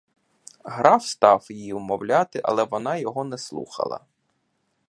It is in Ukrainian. Граф став її умовляти, але вона його не слухала.